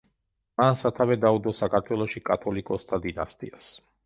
მან სათავე დაუდო საქართველოში კათოლიკოსთა დინასტიას.